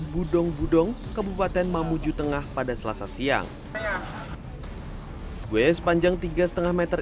budong budong kabupaten mamuju tengah pada selasa siang gue sepanjang tiga lima meter